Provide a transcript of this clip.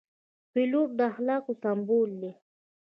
پیلوټ د اخلاقو سمبول دی.